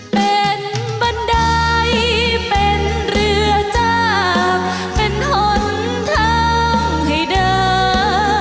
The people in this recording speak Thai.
เป็นบันไดเป็นเรือจากเป็นหนทางให้เดิน